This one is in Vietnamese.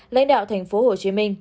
lãnh đạo tp hcm